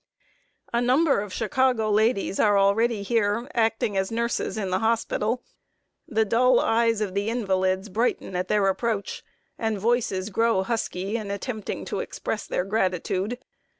A number of Chicago ladies are already here, acting as nurses in the hospital. The dull eyes of the invalids brighten at their approach, and voices grow husky in attempting to express their gratitude.